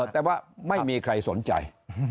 แต่ว่าไม่มีใครสนใจ